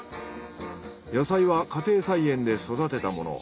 野菜は家庭菜園で育てたもの。